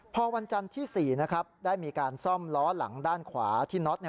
พอวันจันทร์ที่๔นะครับได้มีการซ่อมล้อหลังด้านขวาที่น็อตเนี่ย